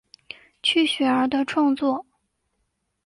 区雪儿的创作。